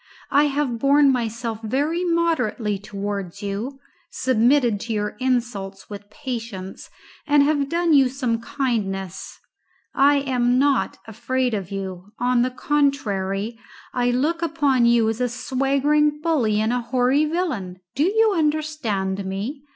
I have borne myself very moderately towards you, submitted to your insults with patience, and have done you some kindness. I am not afraid of you. On the contrary, I look upon you as a swaggering bully and a hoary villain. Do you understand me?